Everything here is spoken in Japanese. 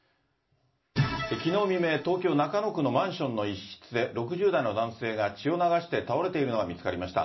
きのう未明、東京・中野区のマンションの一室で、６０代の男性が血を流して倒れているのが見つかりました。